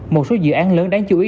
một số dự án lớn đáng chú ý